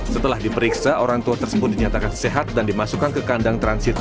setelah diperiksa orang tua tersebut dinyatakan sehat dan dimasukkan ke kandang transit